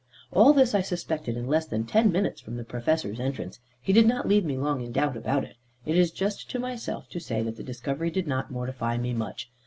All this I suspected in less than ten minutes from the Professor's entrance; he did not leave me long in doubt about it. It is just to myself to say that the discovery did not mortify me much.